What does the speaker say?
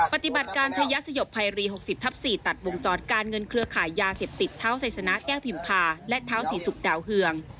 ปฏิบัติการชายสยบภัยรี๖๐ทับ๔ตัดวงจรการเงินเครือขายยาเสพติดเท้าไซสนะแก้วพิมพาและเท้าศรีศุกร์ดาวเฮือง